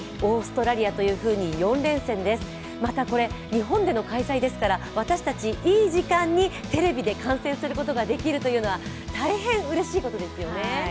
日本での開催ですから、私たち、いい時間にテレビで観戦することができるというのは、大変うれしいことですよね。